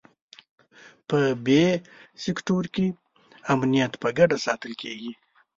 په بي سیکټور کې امنیت په ګډه ساتل کېږي.